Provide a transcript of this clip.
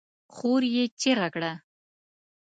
خور يې چيغه کړه!